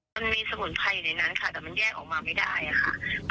มันมีสมุนไพรอยู่ในนั้นค่ะแต่มันแยกออกมาไม่ได้ค่ะ